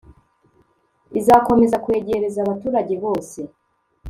izakomeza kwegereza abaturage bose,